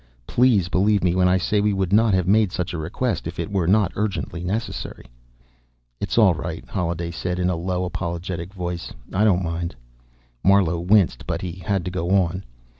Please believe me when I say we would not have made such a request if it were not urgently necessary." "It's all right," Holliday said in a low, apologetic voice. "I don't mind." Marlowe winced, but he had to go on.